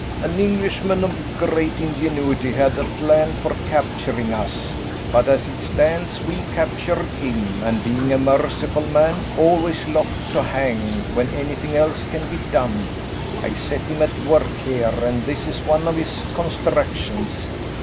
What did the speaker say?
"An Englishman of great ingenuity had a plan for capturing us, but, as it stands, we captured him; and being a merciful man, always loth to hang, when anything else can be done, I set him at work here, and this is one of his constructions.